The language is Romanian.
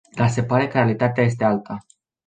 Dar se pare că realitatea este alta.